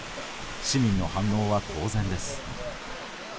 市民の反応は当然です。